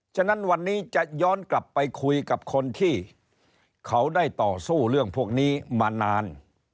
ฉะนั้นวันนี้จะย้อนกลับไปคุยกับคนที่เขาได้ต่อสู้เรื่องพวกนี้มานาน